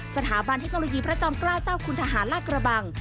สถาบันเทคโนโลยีพระจอมเกล้าเจ้าคุณทหารลากระบัง